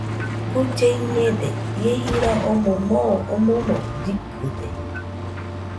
Guille iñede, ie jira omoɨ moo omoɨmo llɨkɨde